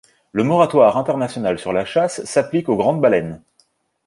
Le moratoire international sur la chasse s'applique aux grandes baleines.